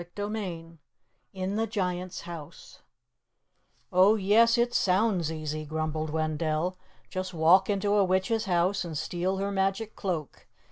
CHAPTER X IN THE GIANT'S HOUSE "Oh, yes, it sounds easy," grumbled Wendell. "Just walk into a witch's house and steal her magic cloak.